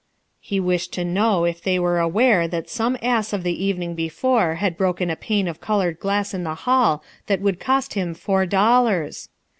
He wished to know if they were aware that some ass of the evening before had broken a pane of coloured glass in the hall that would cost him four dollars.